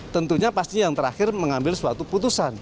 tentunya pasti yang terakhir mengambil suatu putusan